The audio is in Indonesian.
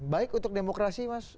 baik untuk demokrasi mas